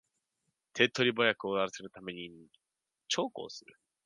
手っ取り早く終わらせるために長考する